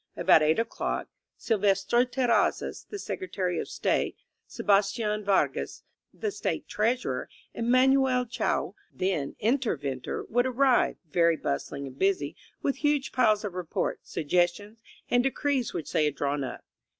About eight o'clock Syl vestre Terrazzas, the Secretary of State, Sebastian Vargas, the State Treasurer, and Manuel Chao, then Interventor, would arrive, very bustling and busy, with huge piles of reports, suggestions and decrees which they had drawn up.